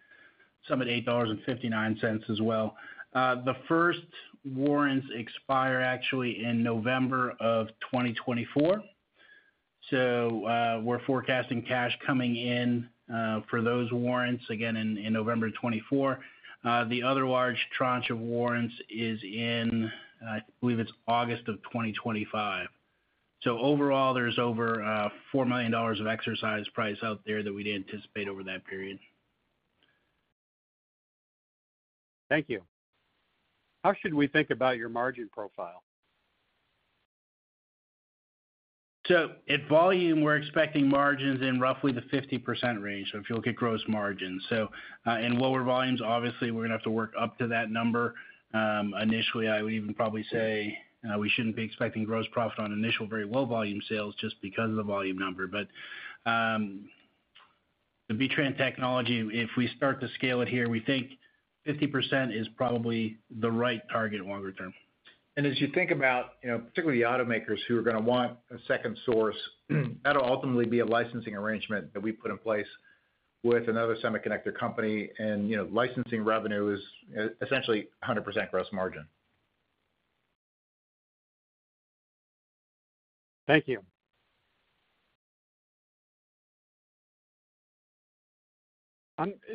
some at $8.59 as well. The first warrants expire actually in November of 2024. We're forecasting cash coming in for those warrants again in November of 2024. The other large tranche of warrants is in, I believe, it's August of 2025. Overall, there's over $4 million of exercise price out there that we'd anticipate over that period. Thank you. How should we think about your margin profile? At volume, we're expecting margins in roughly the 50% range, so if you look at gross margins. In lower volumes, obviously, we're gonna have to work up to that number. Initially, I would even probably say, we shouldn't be expecting gross profit on initial very low volume sales just because of the volume number. The B-TRAN technology, if we start to scale it here, we think 50% is probably the right target longer term. As you think about, you know, particularly the automakers who are gonna want a second source, that'll ultimately be a licensing arrangement that we put in place with another semiconductor company. You know, licensing revenue is essentially 100% gross margin. Thank you.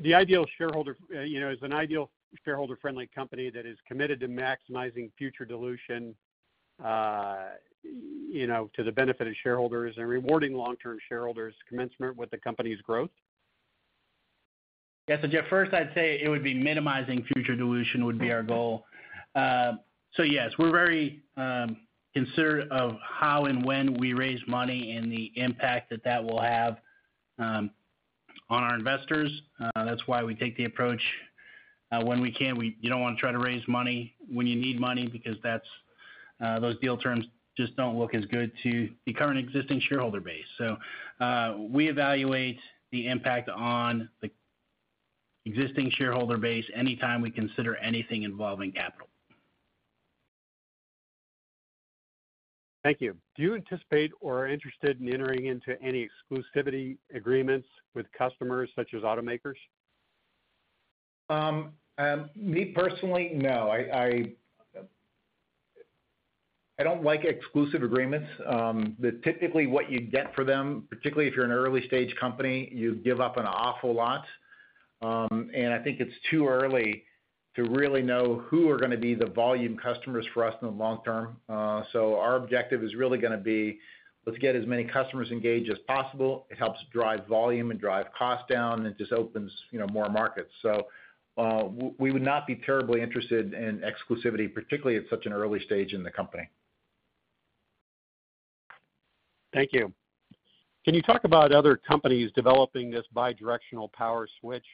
The Ideal shareholder, you know, is an Ideal shareholder-friendly company that is committed to maximizing future dilution, you know, to the benefit of shareholders and rewarding long-term shareholders' commencement with the company's growth. Yeah. Jeff, first, I'd say it would be minimizing future dilution would be our goal. Yes, we're very considerate of how and when we raise money and the impact that that will have on our investors. That's why we take the approach when we can. You don't wanna try to raise money when you need money, because that's those deal terms just don't look as good to the current existing shareholder base. We evaluate the impact on the existing shareholder base anytime we consider anything involving capital. Thank you. Do you anticipate or are interested in entering into any exclusivity agreements with customers such as automakers? Me personally, no. I don't like exclusive agreements. Typically, what you get for them, particularly if you're an early-stage company, you give up an awful lot. I think it's too early to really know who are gonna be the volume customers for us in the long term. Our objective is really gonna be, let's get as many customers engaged as possible. It helps drive volume and drive costs down, and it just opens, you know, more markets. We, we would not be terribly interested in exclusivity, particularly at such an early stage in the company. Thank you. Can you talk about other companies developing this bidirectional power switch?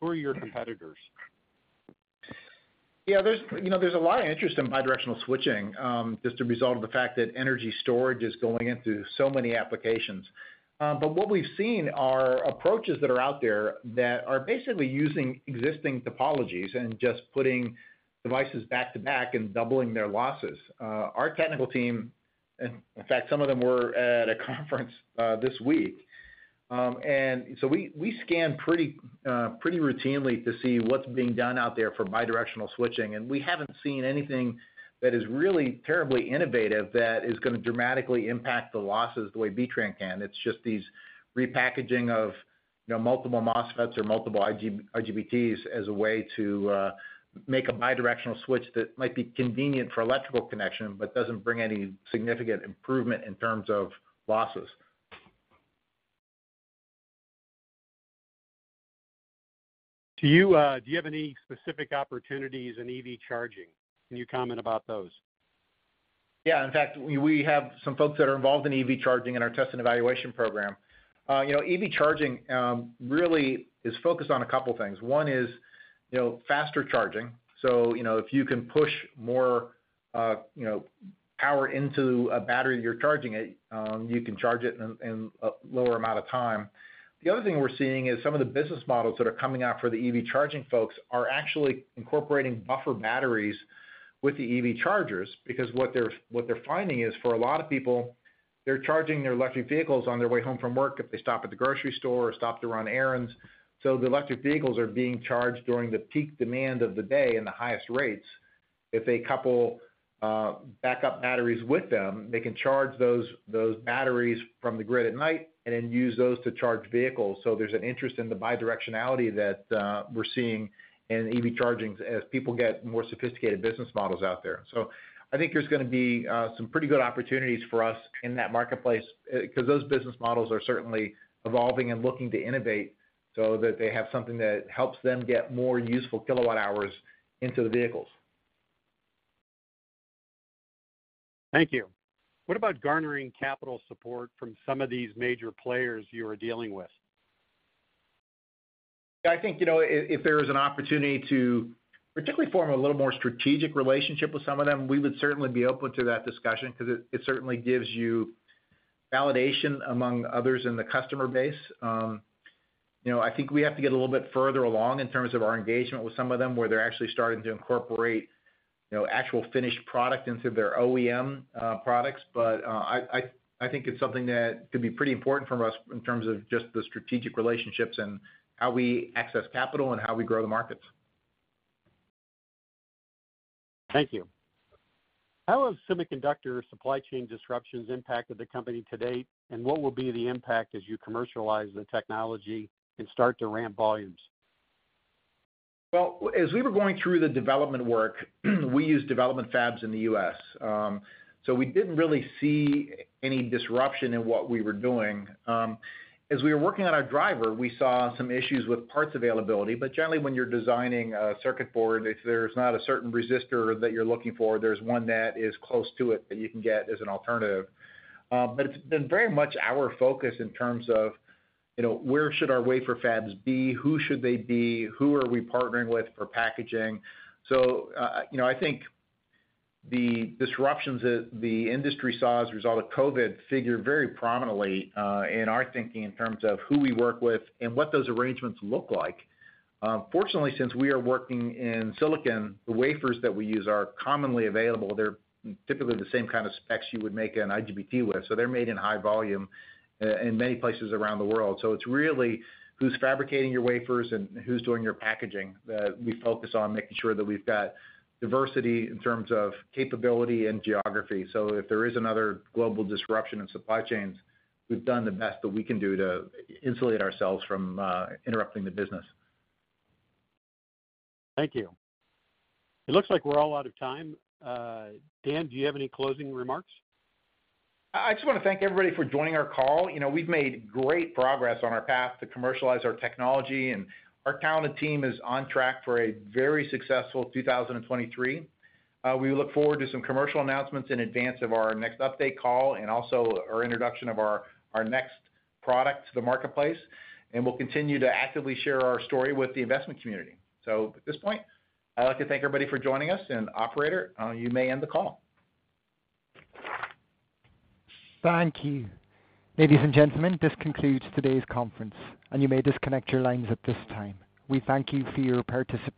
Who are your competitors? Yeah, there's, you know, there's a lot of interest in bidirectional switching, just a result of the fact that energy storage is going into so many applications. What we've seen are approaches that are out there that are basically using existing topologies and just putting devices back-to-back and doubling their losses. Our technical team, and in fact, some of them were at a conference this week. We, we scan pretty routinely to see what's being done out there for bidirectional switching, and we haven't seen anything that is really terribly innovative that is gonna dramatically impact the losses the way B-TRAN can. It's just these repackaging of, you know, multiple MOSFETs or multiple IGBTs as a way to make a bidirectional switch that might be convenient for electrical connection, but doesn't bring any significant improvement in terms of losses. Do you, do you have any specific opportunities in EV charging? Can you comment about those? Yeah. In fact, we, we have some folks that are involved in EV charging in our test and evaluation program. you know, EV charging, really is focused on two things. One is, you know, faster charging. you know, if you can push more, you know, power into a battery, you're charging it, you can charge it in, in a lower amount of time. The other thing we're seeing is some of the business models that are coming out for the EV charging folks are actually incorporating buffer batteries with the EV chargers, because what they're, what they're finding is for a lot of people, they're charging their electric vehicles on their way home from work if they stop at the grocery store or stop to run errands. The electric vehicles are being charged during the peak demand of the day in the highest rates. If they couple backup batteries with them, they can charge those, those batteries from the grid at night and then use those to charge vehicles. There's an interest in the bidirectionality that we're seeing in EV chargings as people get more sophisticated business models out there. I think there's gonna be some pretty good opportunities for us in that marketplace 'cause those business models are certainly evolving and looking to innovate, so that they have something that helps them get more useful kilowatt hours into the vehicles. Thank you. What about garnering capital support from some of these major players you are dealing with? I think, you know, if, if there is an opportunity to particularly form a little more strategic relationship with some of them, we would certainly be open to that discussion, 'cause it, it certainly gives you validation among others in the customer base. you know, I think we have to get a little bit further along in terms of our engagement with some of them, where they're actually starting to incorporate, you know, actual finished product into their OEM products. I, I, I think it's something that could be pretty important for us in terms of just the strategic relationships and how we access capital and how we grow the markets. Thank you. How have semiconductor supply chain disruptions impacted the company to date, and what will be the impact as you commercialize the technology and start to ramp volumes? Well, as we were going through the development work, we used development fabs in the U.S. We didn't really see any disruption in what we were doing. As we were working on our driver, we saw some issues with parts availability. Generally, when you're designing a circuit board, if there's not a certain resistor that you're looking for, there's one that is close to it that you can get as an alternative. It's been very much our focus in terms of, you know, where should our wafer fabs be? Who should they be? Who are we partnering with for packaging? You know, I think the disruptions that the industry saw as a result of COVID figure very prominently in our thinking in terms of who we work with and what those arrangements look like. Fortunately, since we are working in silicon, the wafers that we use are commonly available. They're typically the same kind of specs you would make an IGBT with, they're made in high volume in many places around the world. It's really who's fabricating your wafers and who's doing your packaging, that we focus on making sure that we've got diversity in terms of capability and geography. If there is another global disruption in supply chains, we've done the best that we can do to insulate ourselves from interrupting the business. Thank you. It looks like we're all out of time. Dan, do you have any closing remarks? I just wanna thank everybody for joining our call. You know, we've made great progress on our path to commercialize our technology. Our talented team is on track for a very successful 2023. We look forward to some commercial announcements in advance of our next update call, also our introduction of our next product to the marketplace. We'll continue to actively share our story with the investment community. At this point, I'd like to thank everybody for joining us. Operator, you may end the call. Thank you. Ladies and gentlemen, this concludes today's conference, and you may disconnect your lines at this time. We thank you for your participation.